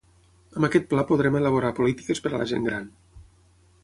Amb aquest Pla podrem elaborar polítiques per a la gent gran.